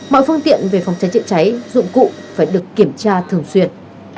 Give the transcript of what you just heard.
mọi phương tiện về phòng cháy chữa cháy dụng cụ phải được kiểm tra thường xuyên